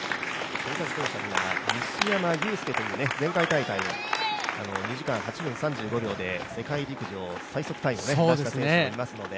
トヨタ自動車には西山雄介という、前回大会、２時間８分３５秒で世界陸上最速タイムを出した選手もいますので。